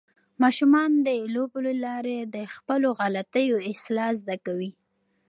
ماشومان د لوبو له لارې د خپلو غلطیو اصلاح زده کوي.